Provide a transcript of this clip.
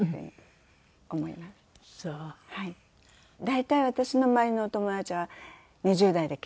大体私の周りのお友達は２０代で結婚して。